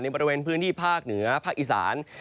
บริเวณพื้นที่ภาคเหนือภาคอีสาน